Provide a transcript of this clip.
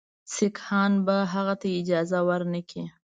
سیکهان به هغه ته اجازه ورنه کړي.